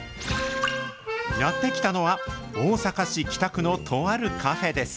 やって来たのは、大阪市北区のとあるカフェです。